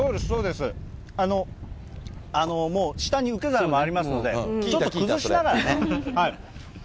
もう下に受け皿もありますので、ちょっと崩しながらね。